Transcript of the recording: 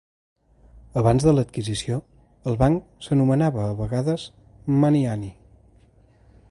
Abans de l'adquisició, el banc s'anomenava a vegades Manny Hanny.